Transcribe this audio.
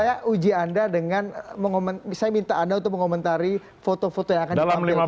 saya uji anda dengan saya minta anda untuk mengomentari foto foto yang akan ditampilkan